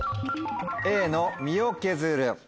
Ａの「身」を削る。